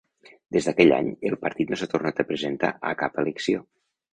Des d'aquell any, el partit no s'ha tornat a presentar a cap elecció.